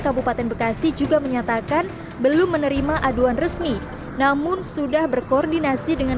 kabupaten bekasi juga menyatakan belum menerima aduan resmi namun sudah berkoordinasi dengan